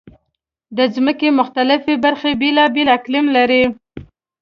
د ځمکې مختلفې برخې بېلابېل اقلیم لري.